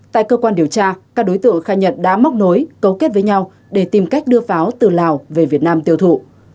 tại cơ quan điều tra các đối tượng khai nhận đã móc nối cấu kết với nhau để tìm cách đưa pháo từ lào về việt nam tiêu thụ